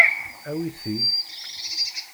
Awi ti.